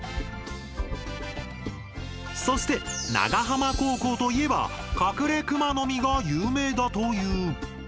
そして長浜高校といえばカクレクマノミが有名だという。